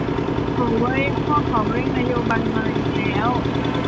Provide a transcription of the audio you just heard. โธ่เว้ย พวกเขาเร่งนโยบายมาอีกแล้ว